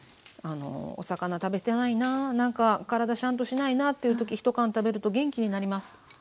あのお魚食べてないな何か体しゃんとしないなという時１缶食べると元気になります。